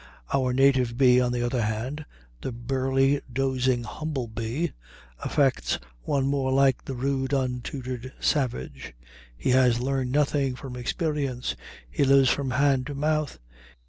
Our native bee, on the other hand, the "burly, dozing humblebee," affects one more like the rude, untutored savage. He has learned nothing from experience. He lives from hand to mouth.